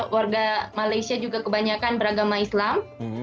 warga malaysia juga kebanyakan beragama islam